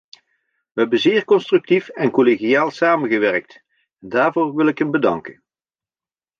We hebben zeer constructief en collegiaal samengewerkt en daarvoor wil ik hem bedanken.